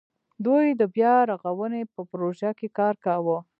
دوی د بیا رغاونې په پروژه کې کار کاوه.